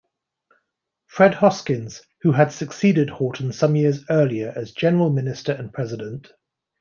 Fred Hoskins, who had succeeded Horton some years earlier as general minister and president.